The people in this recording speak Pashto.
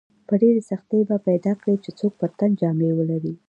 په ډېرې سختۍ به پیدا کړې چې څوک پر تن جامې ولري.